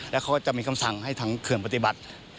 แล้วเขาก็จะมีคำสั่งให้ทางเขื่อนปฏิบัติ